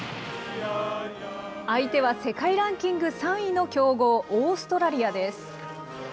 相手は世界ランキング３位の強豪、オーストラリアです。